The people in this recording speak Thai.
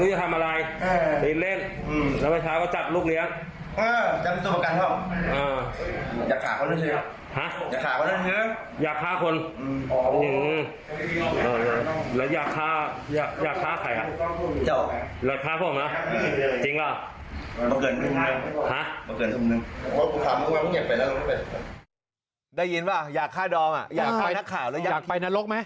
อยากไปนักข่าวไหมอยากไปเว้ยโอ้โหเป็นอะไร